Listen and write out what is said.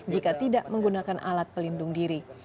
jika tidak menggunakan alat pelindung diri